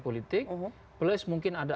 plus mungkin ada